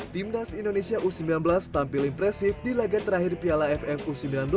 timnas indonesia u sembilan belas tampil impresif di laga terakhir piala ff u sembilan belas